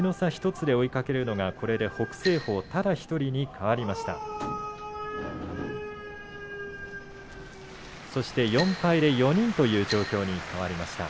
１つ追いかけるのはこれで北青鵬ただ１人に変わりました。